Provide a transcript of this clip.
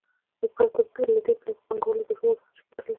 له دې پرته پانګوال اضافي ارزښت نشي ګټلی